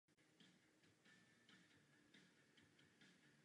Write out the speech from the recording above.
Zároveň byl člen Finančního výboru.